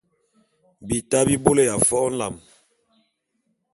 Bita bi bôlé ya fo’o nlam.